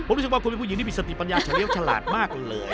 ผมรู้สึกว่าคุณเป็นผู้หญิงที่มีสติปัญญาเฉลียวฉลาดมากเลย